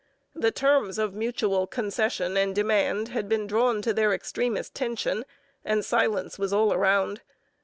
The terms of mutual concession and demand had been drawn to their extremest tension and silence was all around.